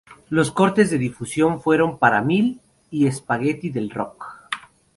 Los cortes de difusión fueron ""Par mil"" y ""Spaghetti del rock"".